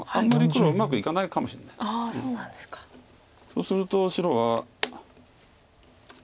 そうすると白は。